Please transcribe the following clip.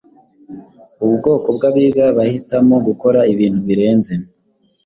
Ubu bwoko bwabiga bahitamo gukora ibintu birenze